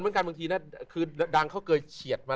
เรื่องรถยนต์เหมือนกันเบเมื่อกี้นะ